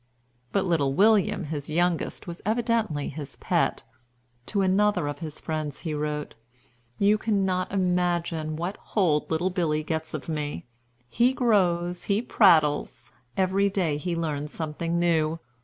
But little William, his youngest, was evidently his pet. To another of his friends he wrote: "You cannot imagine what hold little Billy gets of me. He grows, he prattles, every day he learns something new.